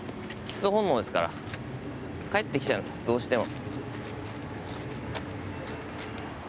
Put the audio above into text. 帰ってきちゃうんですどうしても。